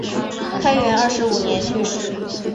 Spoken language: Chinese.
开元二十五年去世。